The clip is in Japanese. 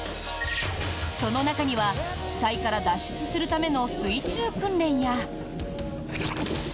その中には機体から脱出するための水中訓練や。